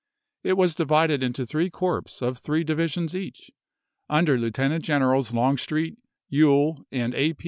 It was divided into three corps of three divisions each, under Lieutenant Generals Longstreet, Ewell, and A.